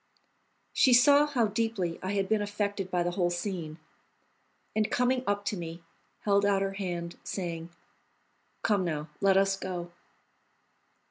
She saw how deeply I had been affected by the whole scene, and, coming up to me, held out her hand, saying: "Come now, let us go."